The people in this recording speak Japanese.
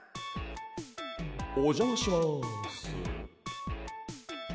おじゃまします。